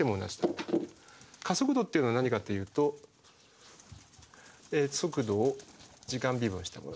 加速度っていうのは何かというと速度を時間微分したものです。